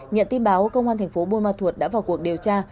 nhận tin báo công an thành phố buôn ma thuột đã vào cuộc điều tra